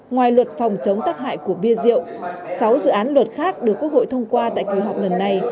ngoài luật phòng chống tắc hại của bia rượu sáu dự án luật khác được quốc hội thông qua tại kỳ họp lần này